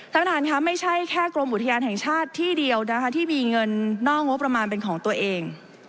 ท่านประธานค่ะไม่ใช่แค่กรมอุทยานแห่งชาติที่เดียวนะคะที่มีเงินนอกงบประมาณเป็นของตัวเอง